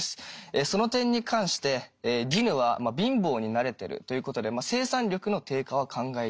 その点に関してディヌは貧乏に慣れてるということで生産力の低下は考えにくい。